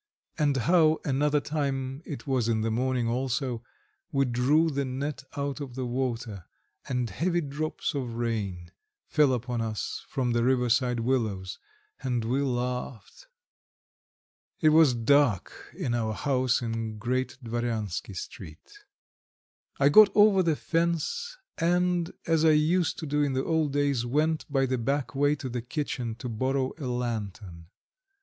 And how, another time it was in the morning also we drew the net out of the water, and heavy drops of rain fell upon us from the riverside willows, and we laughed. It was dark in our house in Great Dvoryansky Street. I got over the fence and, as I used to do in the old days, went by the back way to the kitchen to borrow a lantern.